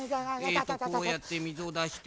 えとこうやってみずをだして。